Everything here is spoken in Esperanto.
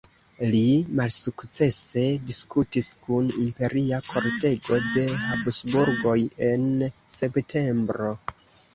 Li malsukcese diskutis kun Imperia Kortego de Habsburgoj en septembro.